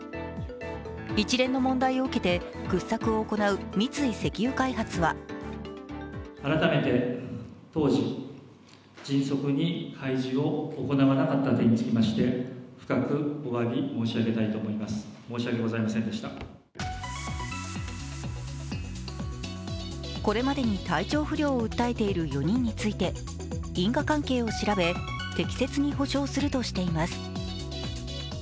一連の問題を受けて掘削を行う三井石油開発はこれまでに体調不良を訴えている４人について因果関係を調べ適切に補償するとしています。